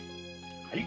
はい。